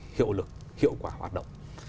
hiệu lực hiệu quả hoạt động